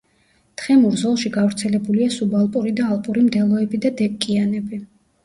თხემურ ზოლში გავრცელებულია სუბალპური და ალპური მდელოები და დეკიანები.